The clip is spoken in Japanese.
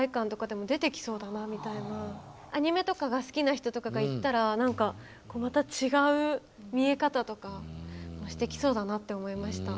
アニメとかが好きな人とかが行ったら何かまた違う見え方とかもしてきそうだなって思いました。